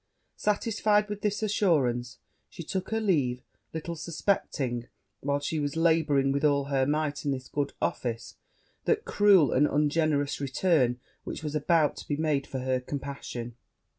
Satisfied with this assurance, she made her leave, little suspecting, while she was labouring with all her might in this good office, that cruel and ungenerous return which was about to be made for her compassion.